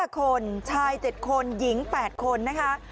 ๕คนชาย๗คนหญิง๘คนนะคะ